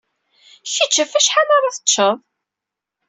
Kečč ɣef wacḥal ara teččeḍ?